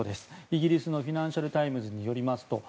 イギリスのフィナンシャル・タイムズによりますとＮＡＴＯ